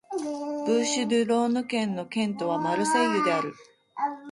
ブーシュ＝デュ＝ローヌ県の県都はマルセイユである